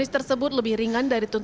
dan setelah penerbitanoux dan seri hitam